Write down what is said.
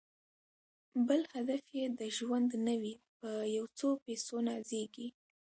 بل هدف یې د ژوند نه وي په یو څو پیسو نازیږي